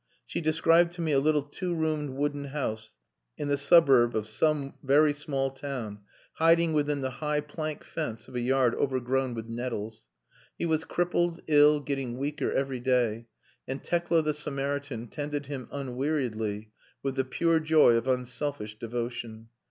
She described to me a little two roomed wooden house, in the suburb of some very small town, hiding within the high plank fence of a yard overgrown with nettles. He was crippled, ill, getting weaker every day, and Tekla the Samaritan tended him unweariedly with the pure joy of unselfish devotion.